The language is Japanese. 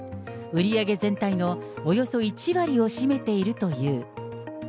売り上げ全体のおよそ１割を占めているという。